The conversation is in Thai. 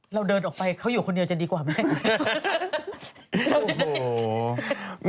เราเดินออกไปเขาอยู่คนเดียวจะดีกว่าไหม